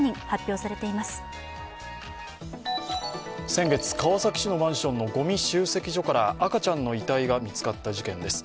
先月、川崎市のマンションのごみ集積所から赤ちゃんの遺体が見つかった事件です。